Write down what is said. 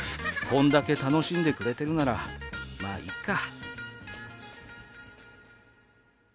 「こんだけ楽しんでくれてるならまいっか」。